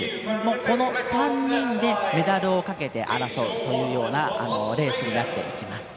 この３人でメダルをかけて争うというようなレースになっていきます。